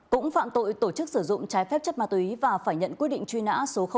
cũng phạm tội tổ chức sử dụng trái phép chất ma túy và phải nhận quyết định truy nã số một